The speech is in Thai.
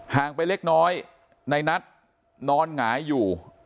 งไปเล็กน้อยในนัทนอนหงายอยู่